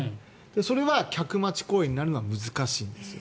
それは客待ち行為になるのは難しいんです。